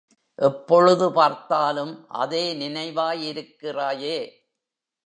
எப்பொழுது பார்த்தாலும் அதே நினைவாயிருக்கிறாயே.